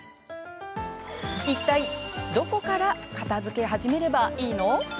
いったい、どこから片づけ始めればいいの？